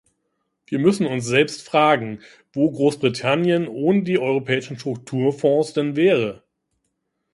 Wir müssen uns selbst fragen, wo Großbritannien ohne die Europäischen Strukturfonds denn wäre?